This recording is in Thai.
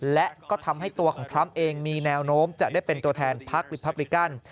และก็ทำให้ตัวของทรัมป์เองมีแนวโน้มจะได้เป็นตัวแทนพักวิพับริกัน